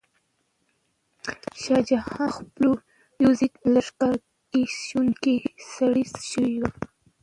شاه جهان په خپلو پوځي لښکرکشیو کې ستړی شوی و.